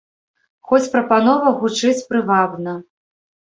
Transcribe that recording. Хоць прапанова гучыць прывабна.